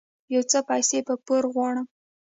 يو څه پيسې په پور غواړم